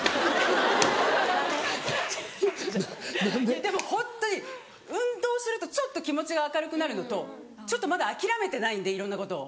いやでもホントに運動するとちょっと気持ちが明るくなるのとちょっとまだ諦めてないんでいろんなことを。